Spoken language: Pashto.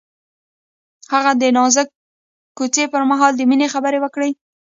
هغه د نازک کوڅه پر مهال د مینې خبرې وکړې.